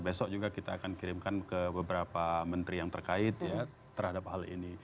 besok juga kita akan kirimkan ke beberapa menteri yang terkait ya terhadap hal ini